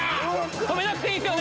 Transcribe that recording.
止めなくていいんすよね？